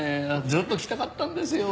ずっと来たかったんですよ。